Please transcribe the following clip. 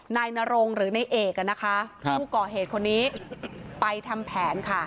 นายนรงหรือในเอกนะคะผู้ก่อเหตุคนนี้ไปทำแผนค่ะ